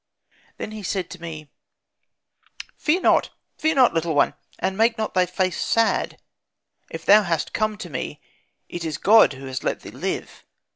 "Then said he to me, 'Fear not, fear not, little one, and make not thy face sad. If thou hast come to me, it is God who has let thee live.